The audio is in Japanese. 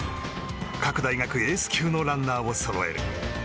各大学エース級のランナーをそろえる。